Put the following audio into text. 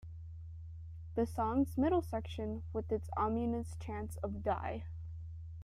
The song's middle section, with its ominous chants of Die!